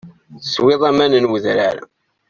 Teswiḍ aman n wedrar.